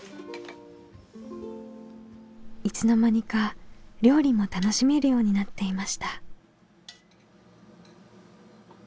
いつの間にか料理も楽しめるようになっていました。